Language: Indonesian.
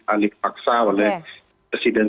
alih paksa oleh presiden